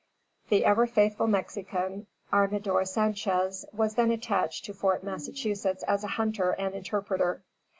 The ever faithful Mexican, Armador Sanchez, was then attached to Fort Massachusetts as a hunter and interpreter.